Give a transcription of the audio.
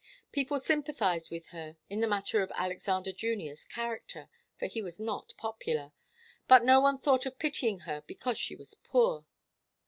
People sympathized with her in the matter of Alexander Junior's character, for he was not popular. But no one thought of pitying her because she was poor.